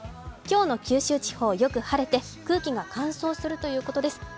今日の九州地方、よく晴れて空気が乾燥するということです。